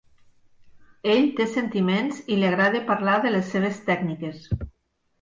Ell té sentiments i li agrada parlar de les seves tècniques.